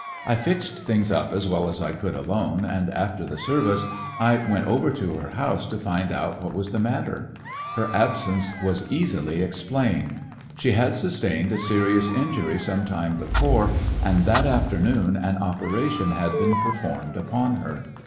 I fixed things up as well as I could alone, and after the service I went over to her house to find 39 ^ecoCCections of a out what was the matter. Her absence was easily explained. She had sustained a serious injury some time before, and that afternoon an operation had been performed upon her.